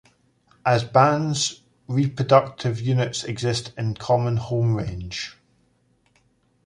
As bands, reproductive units exist in a common home range.